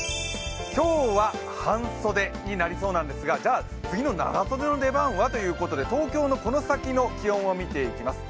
今日は半袖になりそうなんですがじゃあ、次の長袖の出番はということで、東京のこの先の気温を見ていきます。